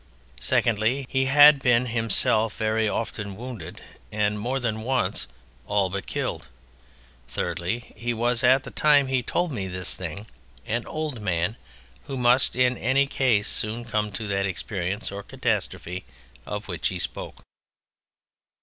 secondly, he had been himself very often wounded, and more than once all but killed; thirdly, he was at the time he told me this thing an old man who must in any case soon come to that experience or catastrophe of which he spoke.